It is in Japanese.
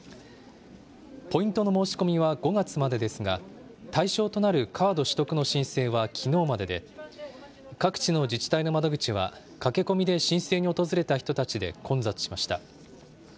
ポイントの申し込みは５月までですが、対象となるカード取得の申請はきのうまでで、各地の自治体の窓口は、駆け込みで申請に訪れた人たちで混雑しました。